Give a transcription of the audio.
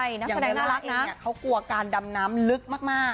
อย่างในแรมน่ารักเนี่ยเขากลัวการดำน้ำลึกมาก